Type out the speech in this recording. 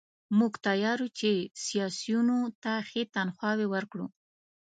موږ تیار یو چې سیاسیونو ته ښې تنخواوې ورکړو.